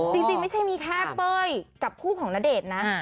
จริงไม่ใช่มีแค่เป้ยกับคู่ของณเดชน์นะ